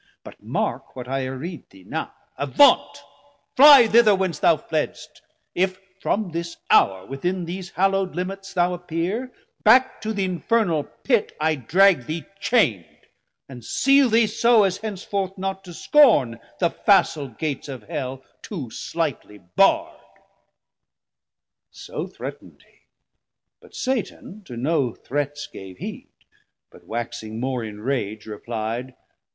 But mark what I arreede thee now, avant; Flie thither whence thou fledst: if from this houre Within these hallowd limits thou appeer, Back to th' infernal pit I drag thee chaind, And Seale thee so, as henceforth not to scorne The facil gates of hell too slightly barrd. So threatn'd hee, but Satan to no threats Gave heed, but waxing more in rage repli'd.